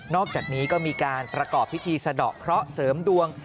อกจากนี้ก็มีการประกอบพิธีสะดอกเคราะห์เสริมดวง